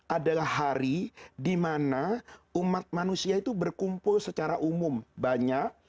adalah hari di mana umat manusia itu berkumpul secara umum banyak